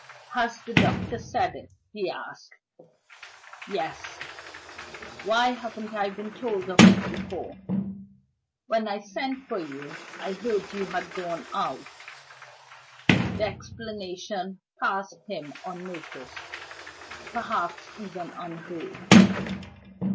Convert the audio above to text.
"Has the doctor said it?" he asked. "Yes." "Why haven't I been told of it before?" "When I sent for you, I heard that you had gone out." The explanation passed by him unnoticed perhaps even unheard.